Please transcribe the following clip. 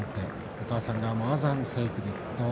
お母さんがモアザンセイクリッド。